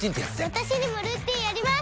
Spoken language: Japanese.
私にもルーティンあります！